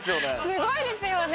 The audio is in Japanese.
すごいですよね。